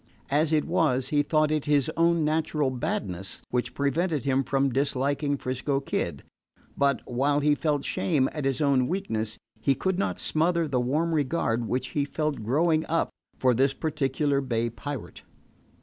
As it was, he thought it his own natural badness which prevented him from disliking 'Frisco Kid; but, while he felt shame at his own weakness, he could not smother the warm regard which he felt growing up for this particular bay pirate.